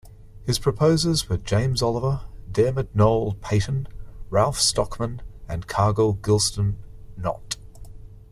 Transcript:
His proposers were James Oliver, Diarmid Noel Paton, Ralph Stockman and Cargill Gilston Knott.